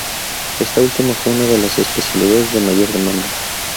Esta última fue una de las especialidades de mayor demanda.